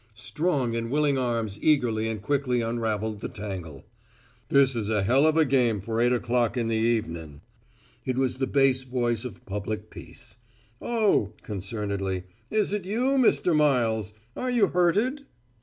Strong and willing arms eagerly and quickly unraveled the tangle. "This is a hell of a game for eight o'clock in the evenin'." It was the bass voice of public peace. "Oh!" concernedly, "is it you, Mr. Miles? Are you hurted?"